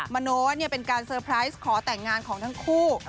โน้เป็นการเซอร์ไพรส์ขอแต่งงานของทั้งคู่